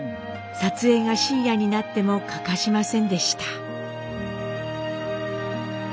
撮影が深夜になっても欠かしませんでした。